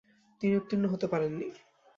তিনি উত্তীর্ণ হতে পারেন নি।